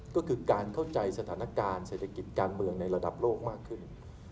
ก็คือการเข้าใจสถานการณ์เศรษฐกิจการเมืองในระดับโลกมากขึ้น